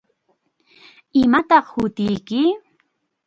¿Imataq hutiyki?